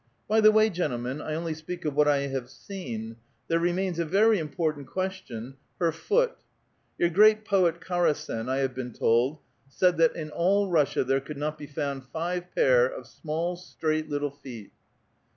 By the way, gentlemen, I only speak of what I have seen. There remains a very important question, — her foot. Your great poet Karasen, I have been told, said that in all Russia there could not be found five pair of small, straight little feet."